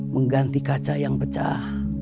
mengganti kaca yang pecah